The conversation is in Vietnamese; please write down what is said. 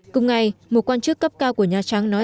cùng ngày một quan chức cấp cao của nha trang nói